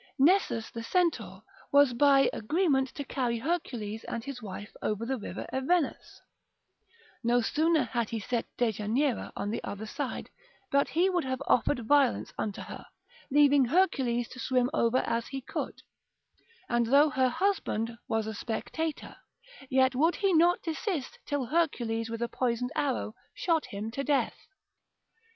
Nessus, the centaur, was by agreement to carry Hercules and his wife over the river Evenus; no sooner had he set Dejanira on the other side, but he would have offered violence unto her, leaving Hercules to swim over as he could: and though her husband was a spectator, yet would he not desist till Hercules, with a poisoned arrow, shot him to death.